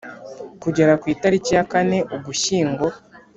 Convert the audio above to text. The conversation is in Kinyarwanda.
kugera ku italiki ya Kane Ugushyingo